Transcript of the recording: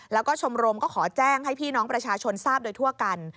แล้วก็ชมรมก็ขอแจ้งให้พี่น้องประชาชนทราบโดยทั่วกัน